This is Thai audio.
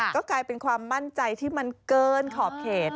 ก็กลายเป็นความมั่นใจที่มันเกินขอบเขต